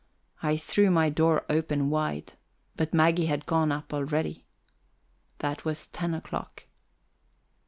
I threw my door open wide, but Maggie had gone up already. That was ten o'clock.